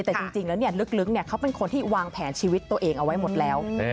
แต่จริงแล้วลึกเขาเป็นคนที่วางแผนชีวิตตัวเองเอาไว้หมดแล้ว